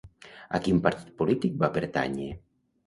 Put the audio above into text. A quin partit polític va pertànyer?